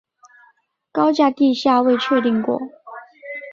高架地下未确定过。